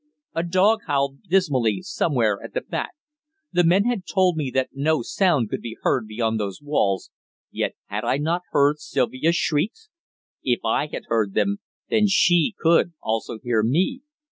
A dog howled dismally somewhere at the back. The men had told me that no sound could be heard beyond those walls, yet had I not heard Sylvia's shrieks? If I had heard them, then she could also hear me!